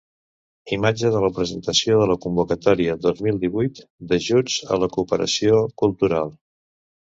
Imatge de la presentació de la convocatòria dos mil divuit d'ajuts a la cooperació cultural.